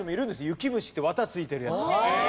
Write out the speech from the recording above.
ユキムシって綿ついてるやつが。